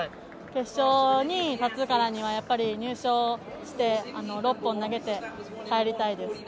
決勝に立つからにはやっぱり入賞して６本投げて帰りたいです。